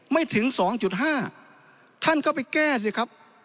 ไม่ถึงสองจุดห้าท่านก็ไปแก้สิครับ